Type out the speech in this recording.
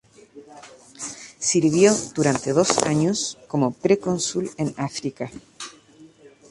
Sirvió durante dos años como procónsul en África.